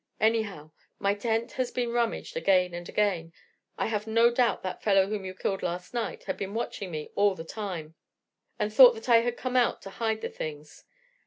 Anyhow, my tent has been rummaged again and again. I have no doubt that fellow whom you killed last night had been watching me all the time, and thought that I had come out to hide the things.